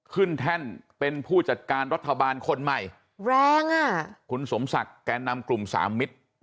แท่นเป็นผู้จัดการรัฐบาลคนใหม่แรงอ่ะคุณสมศักดิ์แก่นำกลุ่มสามมิตร